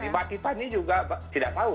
mbak tifa ini juga tidak tahu